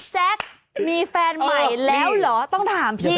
แจ๊คมีแฟนใหม่แล้วเหรอต้องถามพี่